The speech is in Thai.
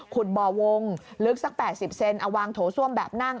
บ่อวงลึกสัก๘๐เซนเอาวางโถส้วมแบบนั่ง